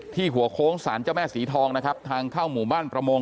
หัวโค้งสารเจ้าแม่สีทองนะครับทางเข้าหมู่บ้านประมง